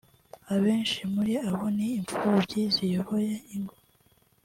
“Abenshi muri abo ni imfubyi ziyoboye ingo